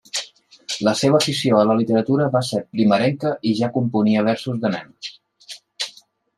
La seva afició a la literatura va ser primerenca i ja componia versos de nen.